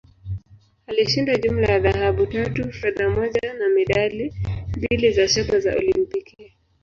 Alishinda jumla ya dhahabu tatu, fedha moja, na medali mbili za shaba za Olimpiki.